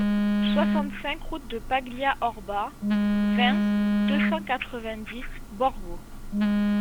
soixante-cinq route de Paglia Orba, vingt, deux cent quatre-vingt-dix, Borgo